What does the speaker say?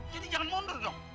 jadi jangan mundur dong